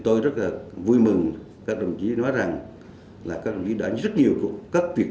tôi rất vui mừng các đồng chí nói rằng các đồng chí đã nhận được rất nhiều câu hỏi